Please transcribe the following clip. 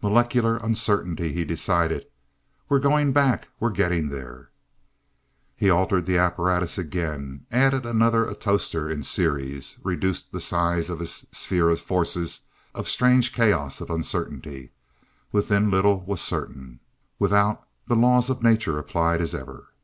"Molecular uncertainty!" he decided. "We're going back we're getting there " He altered the apparatus again, added another atostor in series, reduced the size of his sphere of forces of strange chaos of uncertainty. Within little was certain. Without the laws of nature applied as ever.